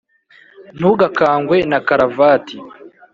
Ntugakangwe na karavati